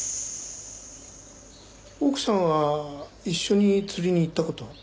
奥さんは一緒に釣りに行った事は？